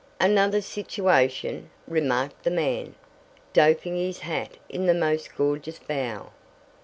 "Another situation?" remarked the man, doffing his hat in the most gorgeous bow.